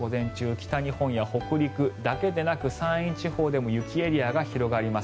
北日本や北陸だけでなく山陰地方でも雪エリアが広がります。